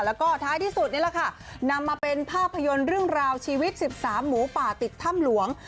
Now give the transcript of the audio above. แล้วก็ท้ายที่สุดนี่แหละค่ะนำมาเป็นภาพยนตร์เรื่องราวชีวิต๑๓หมูป่าติดถ้ำหลวง